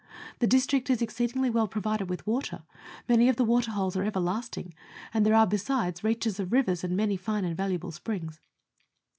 The district is exceedingly well provided with water ; many of the waterholes are everlasting, and there are besides reaches of rivers and many fine and valuable springs.